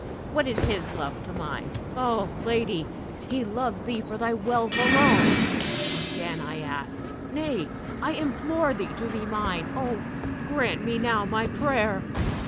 What is his love to mine? Ah, lady, he loves thee for thy wealth alone. Again I ask, nay, I implore thee to be mine! Oh, grant me now my prayer!